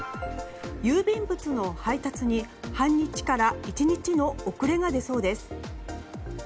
郵便物の配達に半日から１日の遅れが出そうです。